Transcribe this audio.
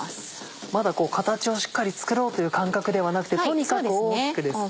まだ形をしっかり作ろうという感覚ではなくてとにかく大きくですね。